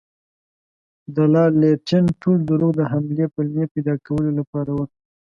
د لارډ لیټن ټول دروغ د حملې پلمې پیدا کولو لپاره وو.